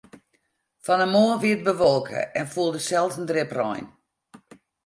Fan 'e moarn wie it bewolke en foel der sels in drip rein.